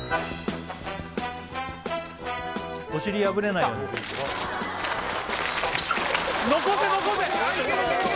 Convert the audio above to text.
お尻破れないように残せ残せ！